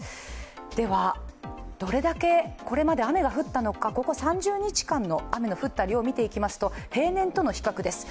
では、どれだけこれまで雨が降ったのかここ３０日間の雨の降った量を見ていきますと、平年との比較です。